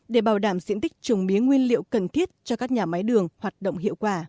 để bảo đảm diện tích trồng mía nguyên liệu cần thiết cho các nhà máy đường hoạt động hiệu quả